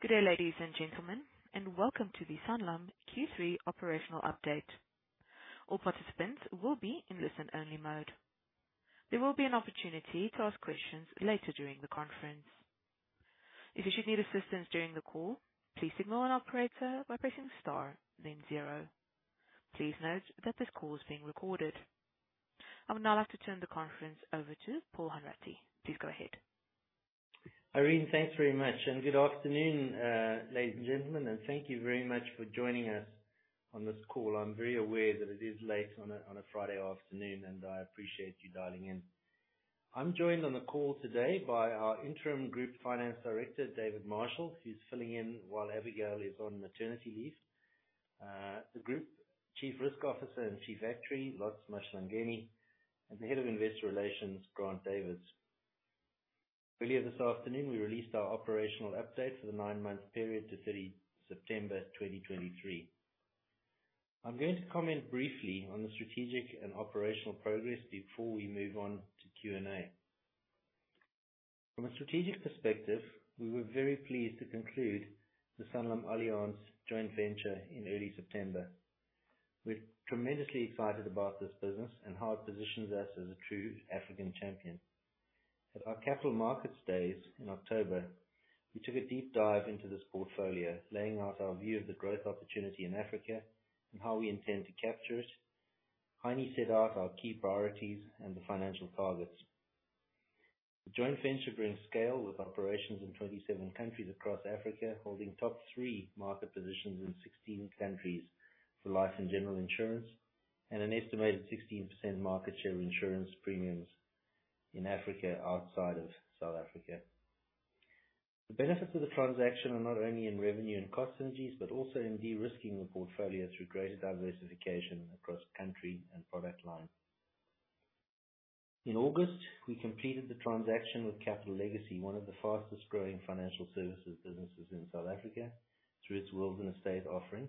Good day, ladies and gentlemen, and welcome to the Sanlam Q3 operational update. All participants will be in listen-only mode. There will be an opportunity to ask questions later during the conference. If you should need assistance during the call, please signal an operator by pressing star then zero. Please note that this call is being recorded. I would now like to turn the conference over to Paul Hanratty. Please go ahead. Irene, thanks very much, and good afternoon, ladies and gentlemen, and thank you very much for joining us on this call. I'm very aware that it is late on a Friday afternoon, and I appreciate you dialing in. I'm joined on the call today by our interim group finance director, David Marshall, who's filling in while Abigail is on maternity leave. The group chief risk officer and chief actuary, Lotz Mahlangeni, and the head of investor relations, Grant Davies. Earlier this afternoon, we released our operational update for the nine-month period to 30 September 2023. I'm going to comment briefly on the strategic and operational progress before we move on to Q&A. From a strategic perspective, we were very pleased to conclude the Sanlam Allianz joint venture in early September. We're tremendously excited about this business and how it positions us as a true African champion. At our capital markets days in October, we took a deep dive into this portfolio, laying out our view of the growth opportunity in Africa and how we intend to capture it, highly set out our key priorities and the financial targets. The joint venture brings scale, with operations in 27 countries across Africa, holding top three market positions in 16 countries for life and general insurance, and an estimated 16% market share of insurance premiums in Africa outside of South Africa. The benefits of the transaction are not only in revenue and cost synergies but also in de-risking the portfolio through greater diversification across country and product line. In August, we completed the transaction with Capital Legacy, one of the fastest-growing financial services businesses in South Africa, through its will and estate offering,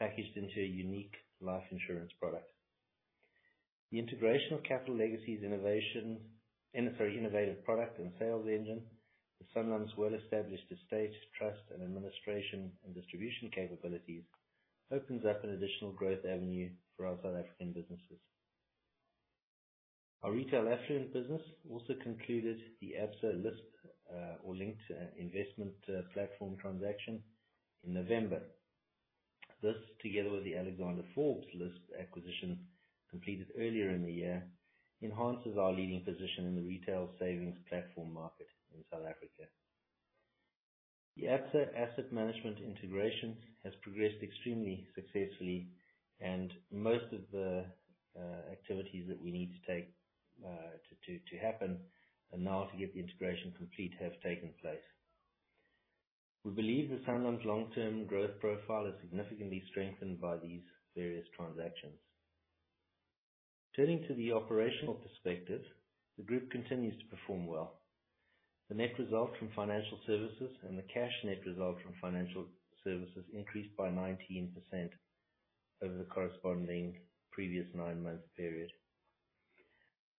packaged into a unique life insurance product. The integration of Capital Legacy's innovations and its very innovative product and sales engine with Sanlam's well-established estate, trust, and administration and distribution capabilities, opens up an additional growth avenue for our South African businesses. Our retail affluent business also concluded the Absa LISP, or linked investment platform transaction in November. This, together with the Alexander Forbes LISP acquisition completed earlier in the year, enhances our leading position in the retail savings platform market in South Africa. The Absa Asset Management integration has progressed extremely successfully, and most of the activities that we need to take to happen and now to get the integration complete, have taken place. We believe that Sanlam's long-term growth profile is significantly strengthened by these various transactions. Turning to the operational perspective, the group continues to perform well. The Net Result from Financial Services and the cash Net Result from Financial Services increased by 19% over the corresponding previous nine-month period.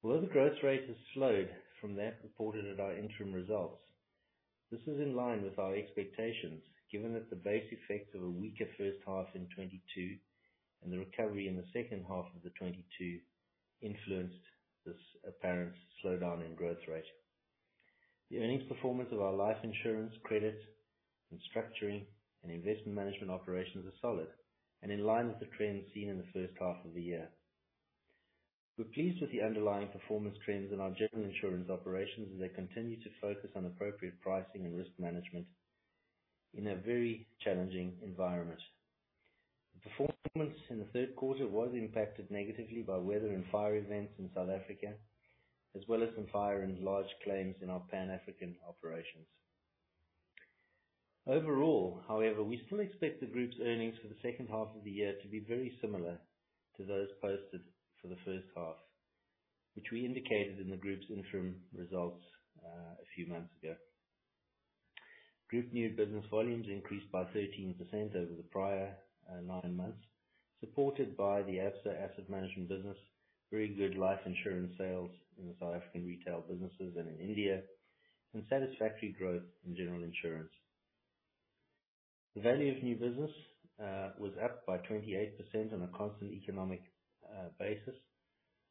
Although the growth rate has slowed from that reported at our interim results, this is in line with our expectations, given that the base effect of a weaker first half in 2022 and the recovery in the second half of 2022 influenced this apparent slowdown in growth rate. The earnings performance of our life insurance, credit, and structuring and investment management operations are solid and in line with the trends seen in the first half of the year. We're pleased with the underlying performance trends in our general insurance operations as they continue to focus on appropriate pricing and risk management in a very challenging environment. The performance in the third quarter was impacted negatively by weather and fire events in South Africa, as well as some fire and large claims in our Pan-African operations. Overall, however, we still expect the group's earnings for the second half of the year to be very similar to those posted for the first half, which we indicated in the group's interim results, a few months ago. Group new business volumes increased by 13% over the prior nine months, supported by the Absa Asset Management business, very good life insurance sales in the South African retail businesses and in India, and satisfactory growth in general insurance. The value of new business was up by 28% on a constant economic basis,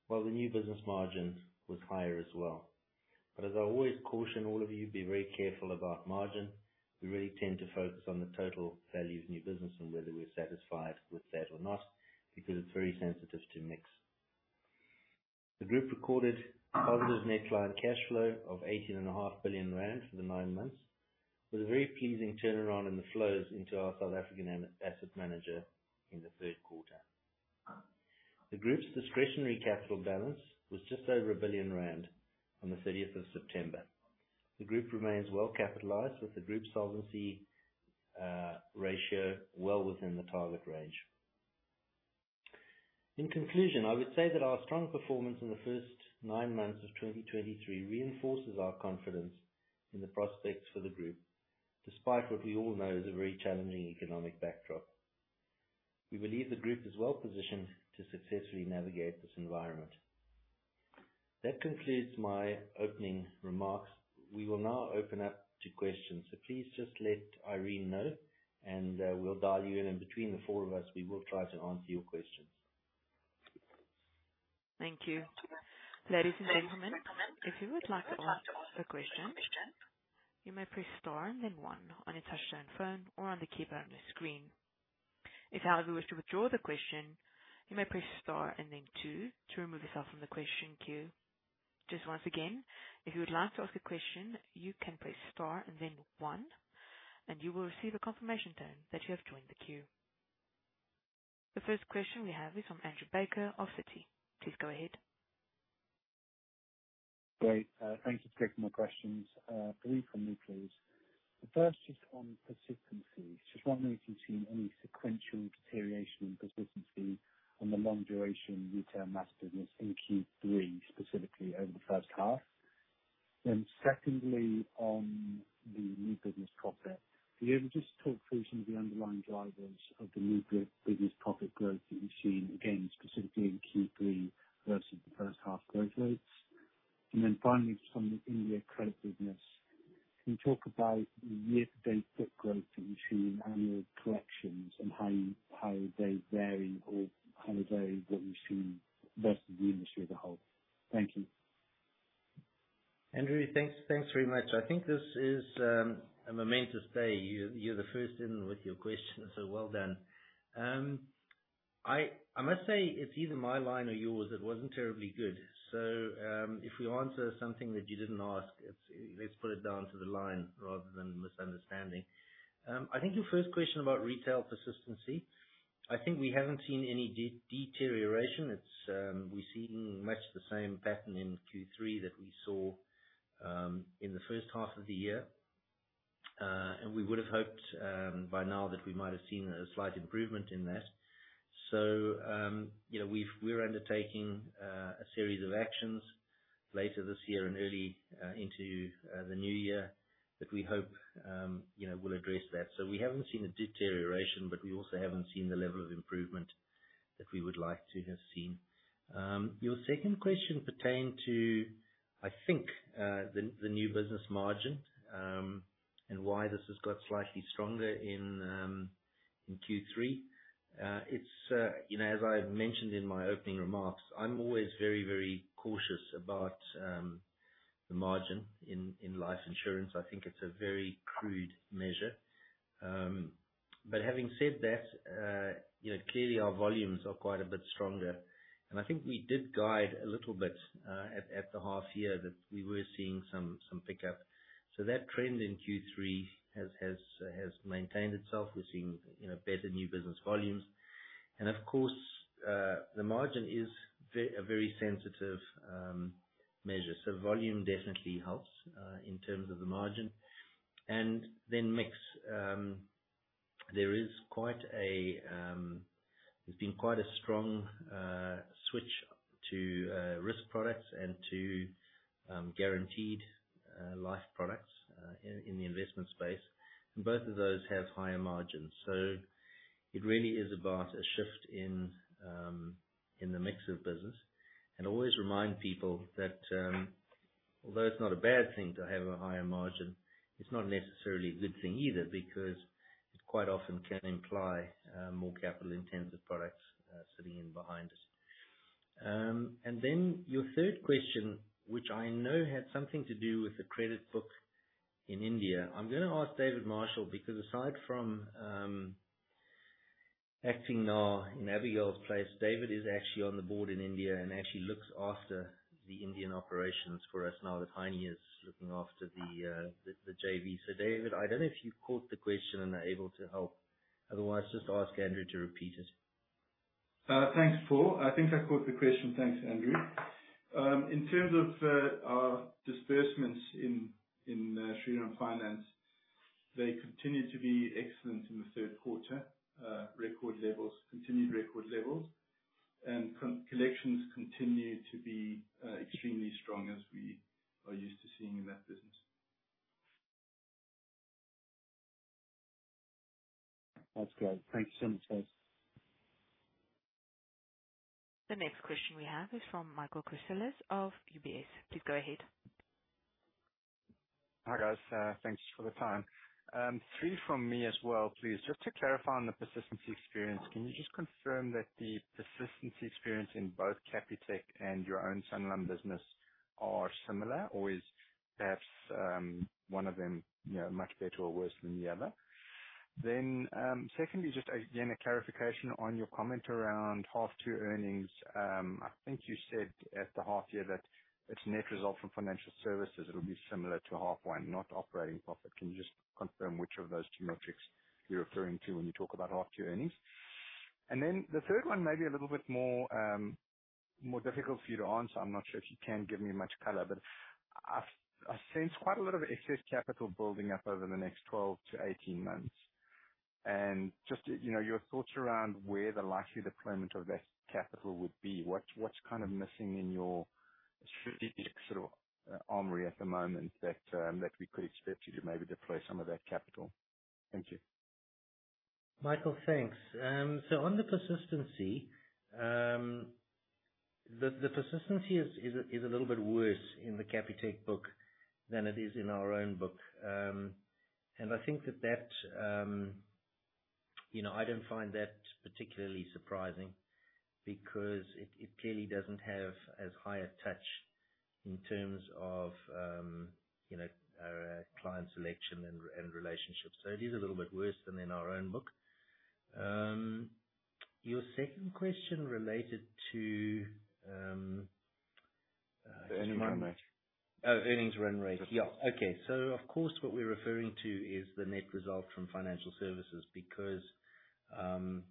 while the new business margin was higher as well. But as I always caution all of you, be very careful about margin. We really tend to focus on the total value of new business and whether we're satisfied with that or not, because it's very sensitive to mix. The group recorded positive net client cash flow of 18.5 billion rand for the nine months, with a very pleasing turnaround in the flows into our South African asset manager in the third quarter. The group's discretionary capital balance was just over 1 billion rand on the thirtieth of September. The group remains well-capitalized, with the group solvency ratio well within the target range. In conclusion, I would say that our strong performance in the first nine months of 2023 reinforces our confidence in the prospects for the group, despite what we all know is a very challenging economic backdrop. We believe the group is well positioned to successfully navigate this environment.... That concludes my opening remarks. We will now open up to questions. So please just let Irene know, and we'll dial you in, and between the four of us, we will try to answer your questions. Thank you. Ladies and gentlemen, if you would like to ask a question, you may press star and then one on your touchtone phone or on the keypad on the screen. If, however, you wish to withdraw the question, you may press star and then two to remove yourself from the question queue. Just once again, if you would like to ask a question, you can press star and then one, and you will receive a confirmation tone that you have joined the queue. The first question we have is from Andrew Baker of Citi. Please go ahead. Great. Thank you for taking my questions. Three from me, please. The first is on persistency. Just wondering if you've seen any sequential deterioration in persistency on the long duration retail master business in Q3, specifically over the first half? Then secondly, on the new business profit, can you maybe just talk through some of the underlying drivers of the new business profit growth that you've seen, again, specifically in Q3 versus the first half growth rates? Then finally, just on the India credit business, can you talk about the year-to-date book growth that you've seen, annual collections, and how you, how they vary, or how they vary what you've seen versus the industry as a whole? Thank you. Andrew, thanks, thanks very much. I think this is a momentous day. You're the first in with your question, so well done. I must say, it's either my line or yours, it wasn't terribly good. So, if we answer something that you didn't ask, it's, let's put it down to the line rather than misunderstanding. I think your first question about retail persistency, I think we haven't seen any deterioration. It's, we've seen much the same pattern in Q3 that we saw in the first half of the year. And we would've hoped by now that we might have seen a slight improvement in that. So, you know, we're undertaking a series of actions later this year and early into the new year, that we hope, you know, will address that. So we haven't seen a deterioration, but we also haven't seen the level of improvement that we would like to have seen. Your second question pertained to, I think, the new business margin, and why this has got slightly stronger in Q3. It's, you know, as I've mentioned in my opening remarks, I'm always very, very cautious about the margin in life insurance. I think it's a very crude measure. But having said that, you know, clearly our volumes are quite a bit stronger, and I think we did guide a little bit at the half year that we were seeing some pickup. So that trend in Q3 has maintained itself. We're seeing, you know, better new business volumes. And of course, the margin is a very sensitive measure. So volume definitely helps in terms of the margin. And then mix, there has been quite a strong switch to risk products and to guaranteed life products in the investment space. And both of those have higher margins. So it really is about a shift in the mix of business. And I always remind people that, although it's not a bad thing to have a higher margin, it's not necessarily a good thing either, because it quite often can imply more capital-intensive products sitting in behind us. And then your third question, which I know had something to do with the credit book in India, I'm gonna ask David Marshall, because aside from acting now in Abigail's place, David is actually on the board in India, and actually looks after the Indian operations for us, now that Heinie is looking after the JV. So, David, I don't know if you've caught the question and are able to help. Otherwise, just ask Andrew to repeat it. Thanks, Paul. I think I caught the question. Thanks, Andrew. In terms of our disbursements in Shriram Finance, they continued to be excellent in the third quarter. Record levels, continued record levels. Collections continued to be extremely strong, as we are used to seeing in that business. That's great. Thank you so much, guys. The next question we have is from Michael Nelskyla of UBS. Please go ahead. Hi, guys. Thank you for the time. Three from me as well, please. Just to clarify on the persistency experience, can you just confirm that the persistency experience in both Capitec and your own Sanlam business are similar, or is perhaps one of them, you know, much better or worse than the other? Then, secondly, just again, a clarification on your comment around half two earnings. I think you said at the half year that its net result from financial services it'll be similar to half one, not operating profit. Can you just confirm which of those two metrics you're referring to when you talk about half two earnings? And then the third one may be a little bit more, more difficult for you to answer. I'm not sure if you can give me much color, but I sense quite a lot of excess capital building up over the next 12 months-18 months. And just, you know, your thoughts around where the likely deployment of that capital would be. What's kind of missing in your strategic sort of armory at the moment that we could expect you to maybe deploy some of that capital? Thank you.... Michael, thanks. So on the persistency, the persistency is a little bit worse in the Capitec book than it is in our own book. And I think that, you know, I don't find that particularly surprising because it clearly doesn't have as high a touch in terms of, you know, client selection and relationships. So it is a little bit worse than in our own book. Your second question related to, The earnings run rate. Oh, earnings run rate. Yeah. Okay. So of course, what we're referring to is the Net Result from Financial Services because,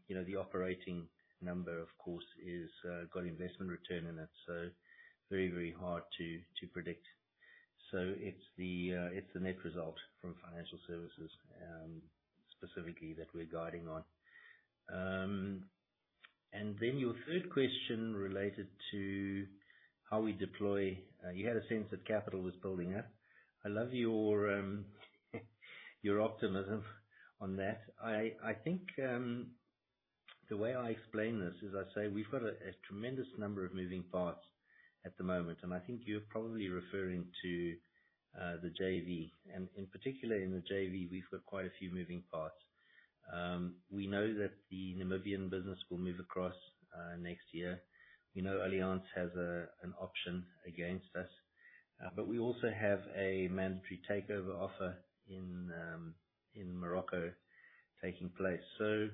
you know, the operating number, of course, is got investment return in it, so very, very hard to predict. So it's the, it's the Net Result from Financial Services, specifically that we're guiding on. And then your third question related to how we deploy. You had a sense that capital was building up. I love your, your optimism on that. I think, the way I explain this is I say we've got a tremendous number of moving parts at the moment, and I think you're probably referring to the JV. And in particular, in the JV, we've got quite a few moving parts. We know that the Namibian business will move across, next year. We know Allianz has an option against us. But we also have a mandatory takeover offer in Morocco taking place. So,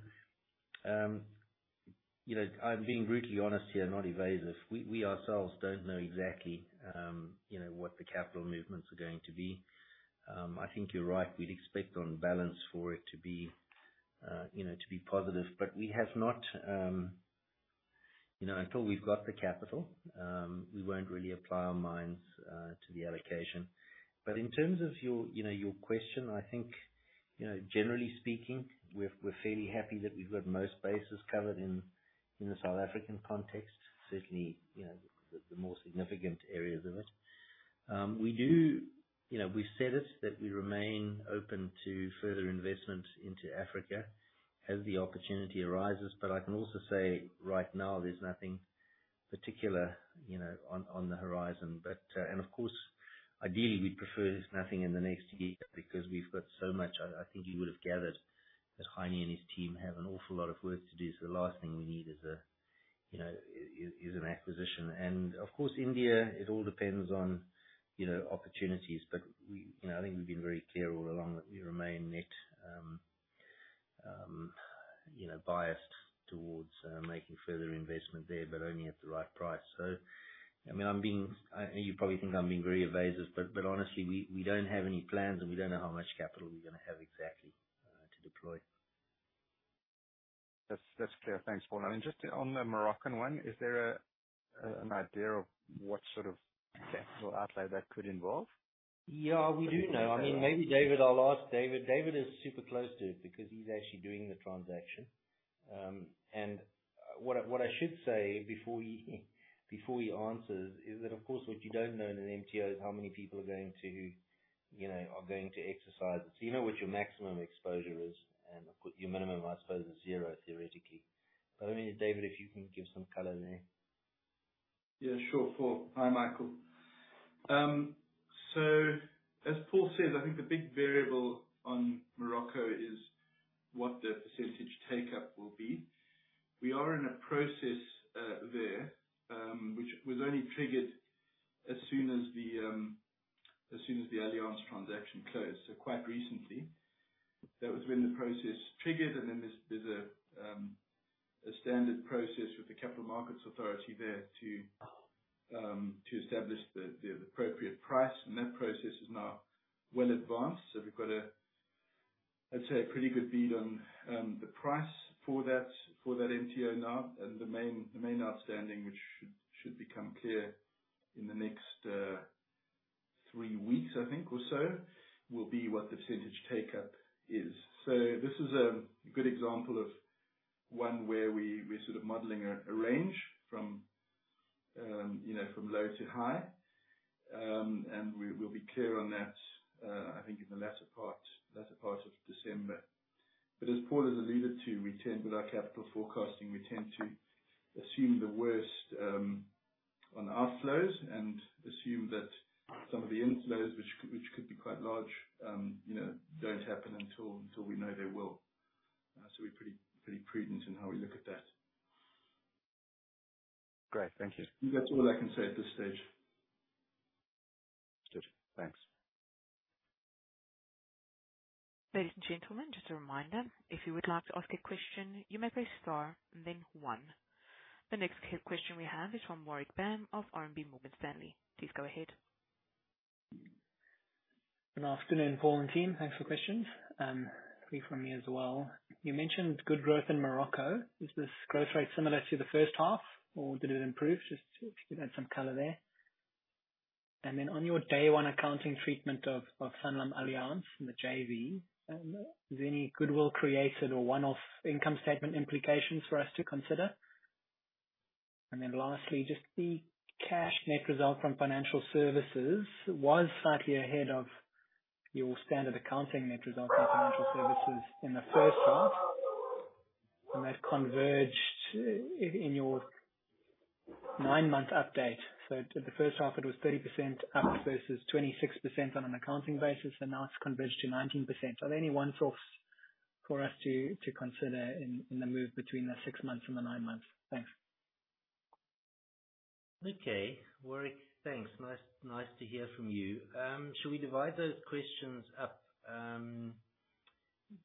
you know, I'm being brutally honest here, not evasive. We, we ourselves don't know exactly, you know, what the capital movements are going to be. I think you're right. We'd expect on balance for it to be, you know, to be positive. But we have not... You know, until we've got the capital, we won't really apply our minds to the allocation. But in terms of your, you know, your question, I think, you know, generally speaking, we're, we're fairly happy that we've got most bases covered in the South African context, certainly, you know, the, the more significant areas of it. We do, you know, we've said it, that we remain open to further investment into Africa as the opportunity arises. But I can also say right now there's nothing particular, you know, on the horizon. But and of course, ideally, we'd prefer there's nothing in the next year because we've got so much. I think you would have gathered that Heinie and his team have an awful lot of work to do, so the last thing we need is a, you know, an acquisition. Of course, India, it all depends on, you know, opportunities. But we-- you know, I think we've been very clear all along that we remain net, you know, biased towards making further investment there, but only at the right price. I mean, you probably think I'm being very evasive, but, but honestly, we, we don't have any plans, and we don't know how much capital we're gonna have exactly to deploy. That's, that's clear. Thanks, Paul. I mean, just on the Moroccan one, is there an idea of what sort of potential outlay that could involve? Yeah, we do know. I mean, maybe David... I'll ask David. David is super close to it because he's actually doing the transaction. What I should say before he answers is that, of course, what you don't know in an MTO is how many people are going to, you know, are going to exercise it. So you know what your maximum exposure is, and of course, your minimum, I suppose, is zero, theoretically. But I mean, David, if you can give some color there. Yeah, sure, Paul. Hi, Michael. So as Paul says, I think the big variable on Morocco is what the percentage take-up will be. We are in a process there, which was only triggered as soon as the Allianz transaction closed, so quite recently. That was when the process triggered, and then there's a standard process with the Capital Markets Authority there to establish the appropriate price, and that process is now well advanced. So we've got a, I'd say, a pretty good bead on the price for that MTO now. And the main outstanding, which should become clear in the next three weeks, I think, or so, will be what the percentage take-up is. So this is a good example of one where we, we're sort of modeling a range from, you know, from low to high. And we, we'll be clear on that, I think in the latter part of December. But as Paul has alluded to, we tend, with our capital forecasting, we tend to assume the worst, on outflows and assume that some of the inflows, which could be quite large, you know, don't happen until we know they will. So we're pretty prudent in how we look at that. Great. Thank you. That's all I can say at this stage. Good. Thanks. Ladies and gentlemen, just a reminder, if you would like to ask a question, you may press star and then one. The next question we have is from Warwick Bam of RMB Morgan Stanley. Please go ahead. Good afternoon, Paul and team. Thanks for questions. Three from me as well. You mentioned good growth in Morocco. Is this growth rate similar to the first half, or did it improve? Just if you could add some color there. And then on your day one accounting treatment of Sanlam Allianz from the JV, is any goodwill created or one-off income statement implications for us to consider? And then lastly, just the cash net result from financial services was slightly ahead of your standard accounting net result from financial services in the first half, and that converged in your nine-month update. So the first half, it was 30% up versus 26% on an accounting basis, and now it's converged to 19%. Are there any once-offs for us to consider in the move between the six months and the nine months? Thanks. Okay, Warwick, thanks. Nice, nice to hear from you. Shall we divide those questions up?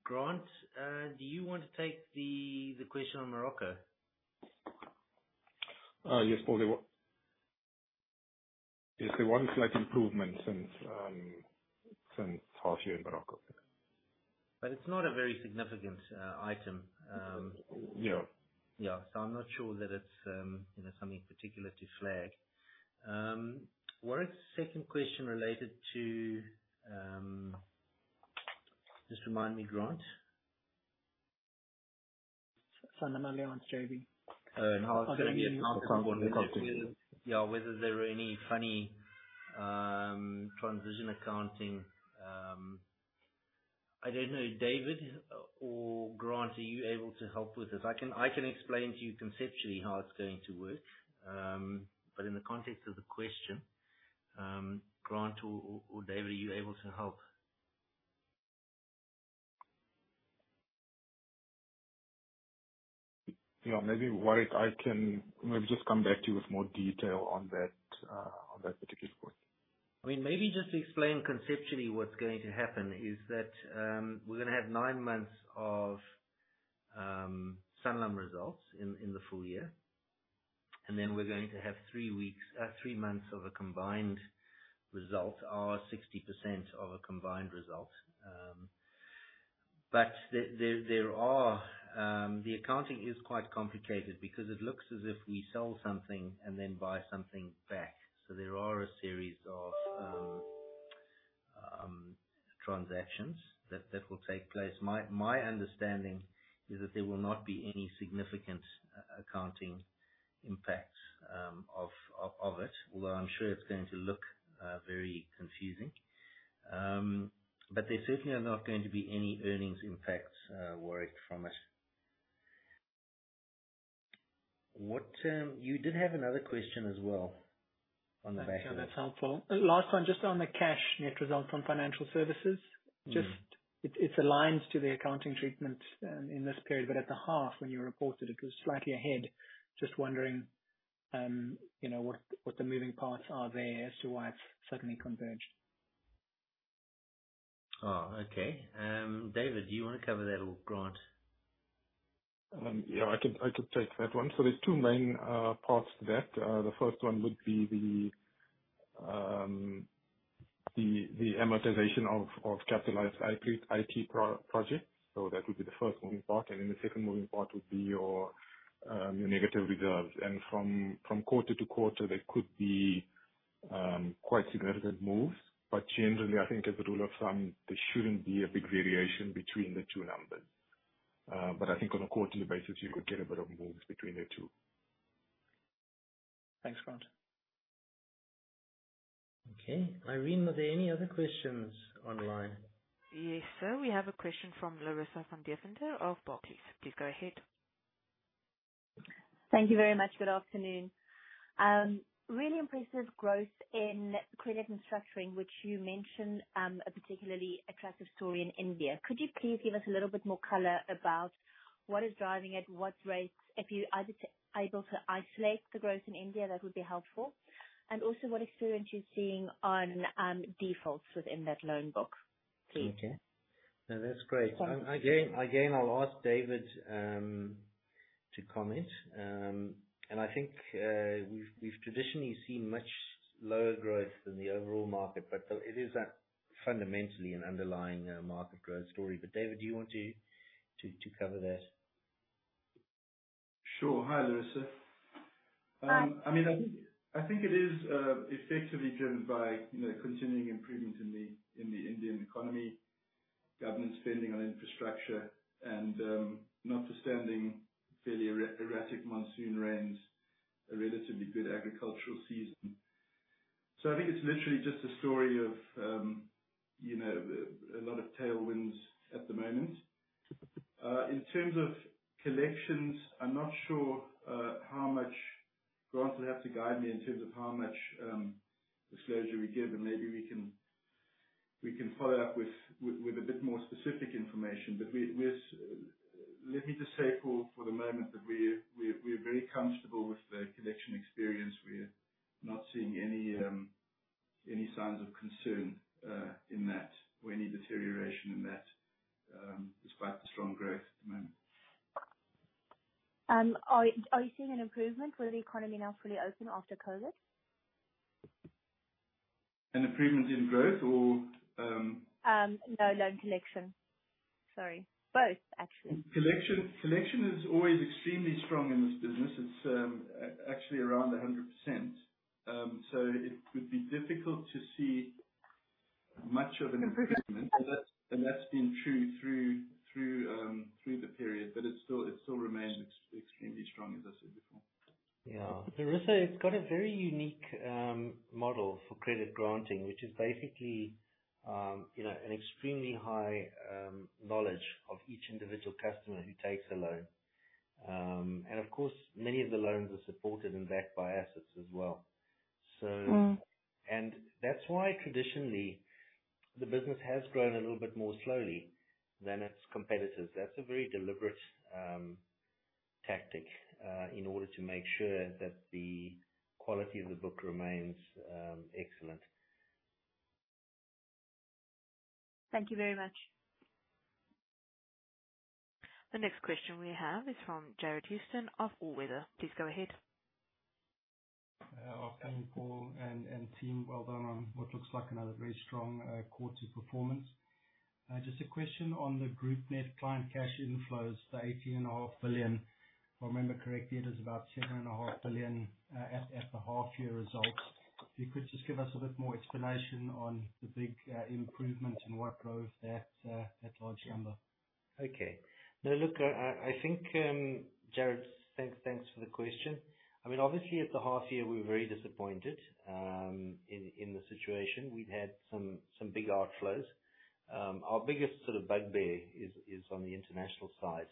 Grant, do you want to take the question on Morocco? Yes, Paul, there was slight improvement since half year in Morocco. It's not a very significant item. Yeah. Yeah. So I'm not sure that it's, you know, something particular to flag. Warwick's second question related to, just remind me, Grant. Sanlam and Jv. Oh, and how it's going to be- Accountable. Yeah, whether there were any funny transition accounting. I don't know, David or Grant, are you able to help with this? I can, I can explain to you conceptually how it's going to work. But in the context of the question, Grant or David, are you able to help? Yeah, maybe, Warwick, I can maybe just come back to you with more detail on that, on that particular point. I mean, maybe just explain conceptually what's going to happen is that we're gonna have nine months of Sanlam results in the full year, and then we're going to have three weeks, three months of a combined result, or 60% of a combined result. But there are... The accounting is quite complicated because it looks as if we sell something and then buy something back. So there are a series of transactions that will take place. My understanding is that there will not be any significant accounting impacts of it, although I'm sure it's going to look very confusing. But there certainly are not going to be any earnings impacts, Warwick, from it. What... You did have another question as well on the back of it. Yeah, that's helpful. Last one, just on the cash net results on financial services. Mm-hmm. Just, it's aligned to the accounting treatment in this period, but at the half, when you reported, it was slightly ahead. Just wondering, what the moving parts are there as to why it's suddenly converged. Oh, okay. David, do you want to cover that or Grant? Yeah, I can, I can take that one. So there's two main parts to that. The first one would be the amortization of capitalized IT projects. So that would be the first moving part. And then the second moving part would be your negative reserves. And from quarter to quarter, there could be quite significant moves, but generally, I think as a rule of thumb, there shouldn't be a big variation between the two numbers. But I think on a quarterly basis, you could get a bit of moves between the two. Thanks, Grant. Okay. Irene, were there any other questions online? Yes, sir. We have a question from Larissa van Deventer of Barclays. Please go ahead. Thank you very much. Good afternoon. Really impressive growth in credit and structuring, which you mentioned, a particularly attractive story in India. Could you please give us a little bit more color about what is driving it, what rates? If you are able to isolate the growth in India, that would be helpful. And also, what experience you're seeing on, defaults within that loan book, please? Okay. No, that's great. Thanks. Again, I'll ask David to comment. And I think we've traditionally seen much lower growth than the overall market, but it is fundamentally an underlying market growth story. But David, do you want to cover that? Sure. Hi, Larissa. Hi. I mean, I think it is effectively driven by, you know, continuing improvement in the Indian economy, government spending on infrastructure, and, notwithstanding fairly erratic monsoon rains, a relatively good agricultural season. So I think it's literally just a story of, you know, a lot of tailwinds at the moment. In terms of collections, I'm not sure how much... Grant will have to guide me in terms of how much disclosure we give, and maybe we can follow up with a bit more specific information. But let me just say for the moment that we're very comfortable with the collection experience. We're not seeing any signs of concern in that, or any deterioration in that, despite the strong growth at the moment. Are you seeing an improvement with the economy now fully open after COVID? An improvement in growth or, No, loan collection. Sorry, both, actually. Collection, collection is always extremely strong in this business. It's actually around 100%. So it would be difficult to see much of an improvement, and that's been true through the period, but it still remains extremely strong, as I said before. Yeah. Larissa, it's got a very unique model for credit granting, which is basically, you know, an extremely high knowledge of each individual customer who takes a loan. And of course, many of the loans are supported and backed by assets as well. So- Mm. That's why traditionally, the business has grown a little bit more slowly than its competitors. That's a very deliberate tactic in order to make sure that the quality of the book remains excellent. Thank you very much. The next question we have is from Jarred Houston of All Weather. Please go ahead. Afternoon, Paul and team. Well done on what looks like another very strong quarter performance. Just a question on the group net client cash inflows, the 18.5 billion. If I remember correctly, it is about 7.5 billion at the half year results. If you could just give us a bit more explanation on the big improvement and what drove that large number? Okay. Now, look, I think, Jared, thanks, thanks for the question. I mean, obviously, at the half year, we were very disappointed in the situation. We've had some big outflows. Our biggest sort of bugbear is on the international side.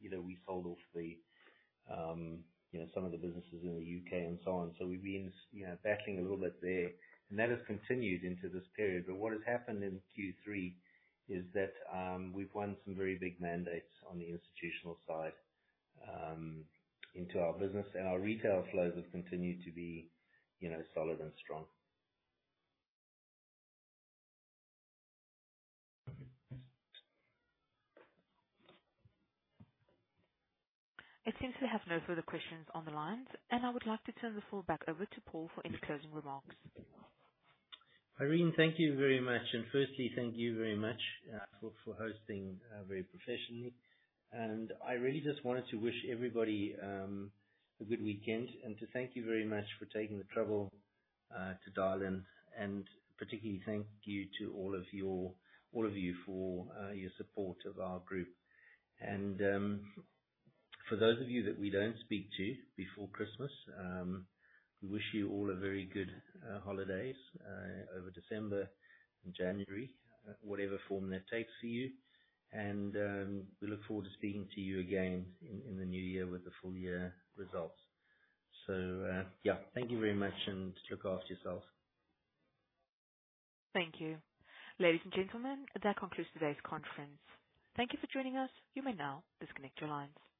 You know, we sold off some of the businesses in the U.K. and so on. So we've been you know battling a little bit there, and that has continued into this period. But what has happened in Q3 is that, we've won some very big mandates on the institutional side into our business. And our retail flows have continued to be, you know, solid and strong. It seems we have no further questions on the lines, and I would like to turn the floor back over to Paul for any closing remarks. Irene, thank you very much. And firstly, thank you very much for hosting very professionally. And I really just wanted to wish everybody a good weekend and to thank you very much for taking the trouble to dial in. And particularly, thank you to all of you for your support of our group. And for those of you that we don't speak to before Christmas, we wish you all a very good holidays over December and January, whatever form that takes for you. And we look forward to speaking to you again in the new year with the full year results. So, yeah, thank you very much, and look after yourselves. Thank you. Ladies and gentlemen, that concludes today's conference. Thank you for joining us. You may now disconnect your lines.